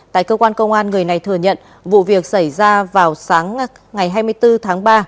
tại cơ quan công an người này thừa nhận vụ việc xảy ra vào sáng ngày hai mươi bốn tháng ba